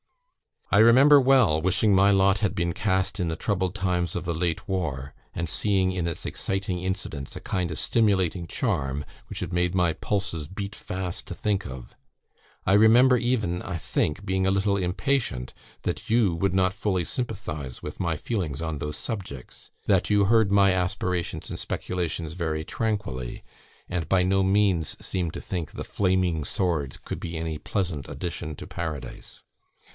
"I remember well wishing my lot had been cast in the troubled times of the late war, and seeing in its exciting incidents a kind of stimulating charm, which it made my pulses beat fast to think of I remember even, I think; being a little impatient, that you would not fully sympathise with my feelings on those subjects; that you heard my aspirations and speculations very tranquilly, and by no means seemed to think the flaming swords could be any pleasant addition to Paradise.